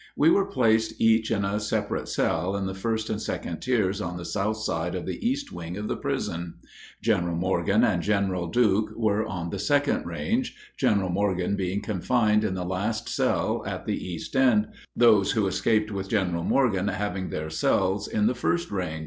We were placed each in a separate cell in the first and second tiers on the south side in the east wing of the prison. General Morgan and General Duke were on the second range, General Morgan being confined in the last cell at the east end, those who escaped with General Morgan having their cells in the first range.